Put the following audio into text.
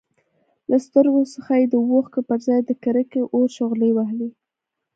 له سترګو څخه يې د اوښکو پرځای د کرکې اور شغلې وهلې.